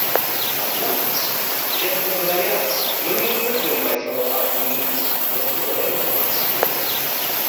Однако, честно говоря, мы не испытываем большого оптимизма, если говорить о перспективах.